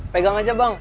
pegang aja bang